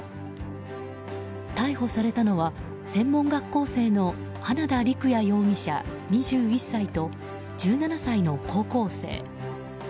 逮捕されたのは専門学校生の花田陸也容疑者、２１歳と１７歳の高校生。